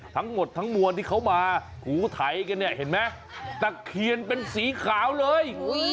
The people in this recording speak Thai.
ทั้งหมดทั้งมวลที่เขามาถูไถกันเนี่ยเห็นไหมตะเคียนเป็นสีขาวเลย